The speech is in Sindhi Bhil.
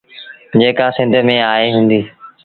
جيڪآ سنڌ ميݩ آئيٚ هُݩدي۔